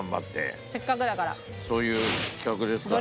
そういう企画ですから。